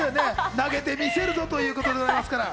投げてみせるぞということですから。